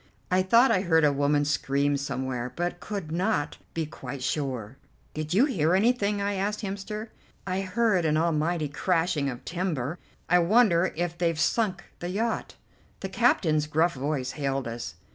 I thought I heard a woman scream somewhere, but could not be quite sure. "Did you hear anything?" I asked Hemster. "I heard an almighty crashing of timber. I wonder if they've sunk the yacht." The captain's gruff voice hailed us.